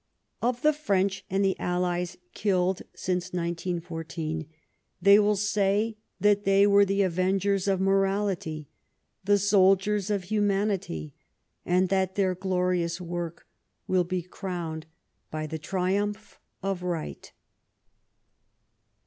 Of the French and the Allies killed since 1914, they will say that they were the avengers of morality, the soldiers of humanity, and that their glorious work will be crowned by the Triumph of Right.